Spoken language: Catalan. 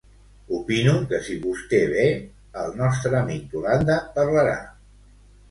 Opino que si vostè ve, el nostre amic d'Holanda parlarà.